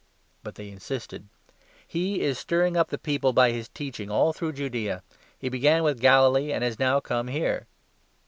But they insisted : 5 " He is stirring up the people by his teaching all through Judaea ; he began with Galilee and has now come here."